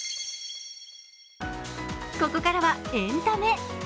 ここからはエンタメ。